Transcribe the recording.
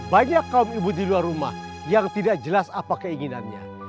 banyak kaum ibu di luar rumah yang tidak jelas apa keinginannya